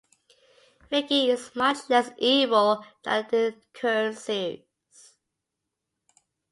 Vicky is much less evil than in the current series.